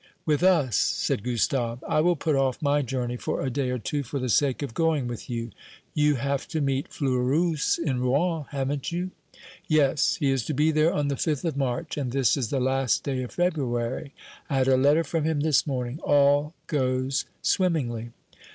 "With us," said Gustave. "I will put off my journey for a day or two for the sake of going with you. You have to meet Fleurus in Rouen haven't you?" "Yes; he is to be there on the fifth of March, and this is the last day of February. I had a letter from him this morning. All goes swimmingly."